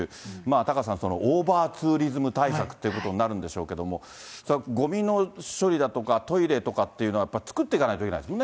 タカさん、オーバーツーリズム対策ということになるんでしょうけども、ごみの処理だとか、トイレとかっていうのは、やっぱり作っていかないといけないです